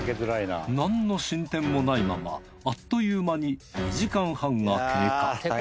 なんの進展もないままあっという間に２時間半が経過。